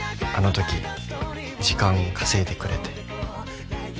あのとき時間稼いでくれて。